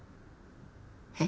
えっ？